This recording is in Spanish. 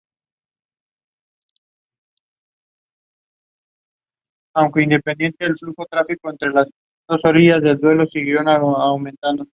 El municipio de Évora cuenta con diez zonas y parques industriales.